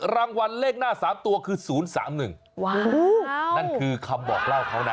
รางวัลเลขหน้าสามตัวคือศูนย์สามหนึ่งว้าวนั่นคือคำบอกเล่าเขานะ